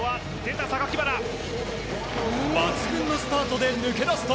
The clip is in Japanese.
抜群のスタートで抜け出すと。